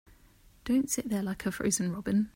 Don't sit there like a frozen robin.